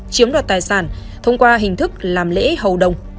chiếm đoạt tài sản thông qua hình thức làm lễ hầu đồng